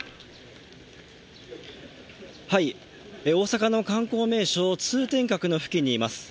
大阪の観光名所、通天閣の付近にいます。